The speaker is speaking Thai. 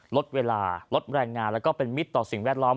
ลดเวลาลดแรงงานแล้วก็เป็นมิตรต่อสิ่งแวดล้อม